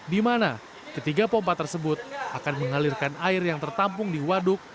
di mana ketiga pompa tersebut akan mengalirkan air yang tertampung di waduk